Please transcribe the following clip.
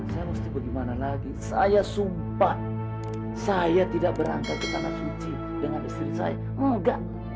saya mesti bagaimana lagi saya sumpah saya tidak berangkat ke tanah suci dengan istri saya enggak